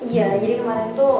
iya jadi kemarin tuh